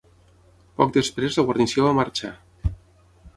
Poc després la guarnició va marxar.